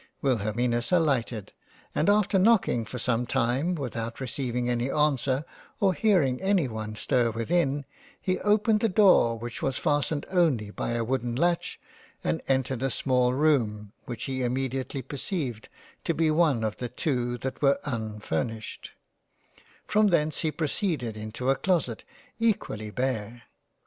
Wilhelminus alighted, and after knocking for some time without receiving any answer or hearing any one stir within, he opened the door which was fastened only by a wooden latch and entered a small room, which he immedi ately perceived to be one of the two that were unfurnished — From thence he proceeded into a Closet equally bare.